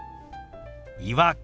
「違和感」。